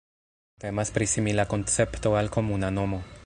Temas pri simila koncepto al komuna nomo.